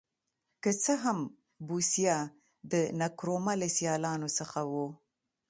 که څه هم بوسیا د نکرومه له سیالانو څخه و.